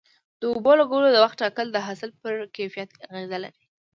د اوبو لګولو د وخت ټاکل د حاصل پر کیفیت اغیزه لري.